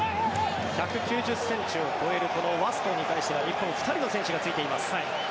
１９０ｃｍを超えるこのワストンに対しては日本、２人の選手がついています。